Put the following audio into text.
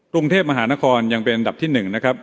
กรุงเทพมหานครยังเป็นอันดับที่๑นะครับ